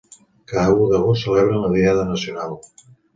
Cada u d'agost celebren la diada nacional.